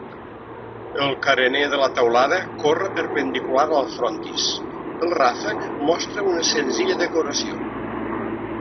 El carener de la teulada corre perpendicular al frontis, el ràfec mostra una senzilla decoració.